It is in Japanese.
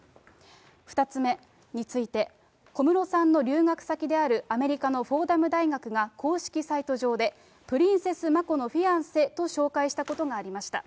２つ目について、小室さんの留学先であるアメリカのフォーダム大学が公式サイト上で、プリンセス・マコのフィアンセと紹介したことがありました。